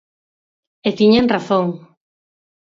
E tiñan razón.